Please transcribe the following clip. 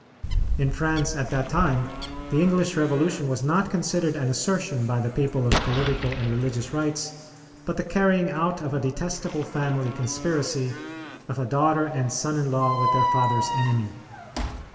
In France at that time the English revolution was not considered an assertion by the people of political and religious rights, but the carrying out of a detestable family conspiracy of a daughter and son in law with their father's enemy.